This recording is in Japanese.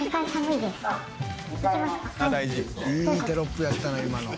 いいテロップやったな今の。